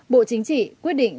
bộ chính trị quyết định